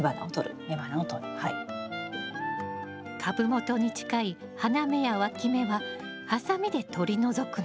株元に近い花芽やわき芽はハサミで取り除くの。